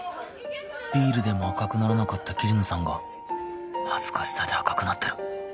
ビールでも赤くならなかった桐野さんが恥ずかしさで赤くなってる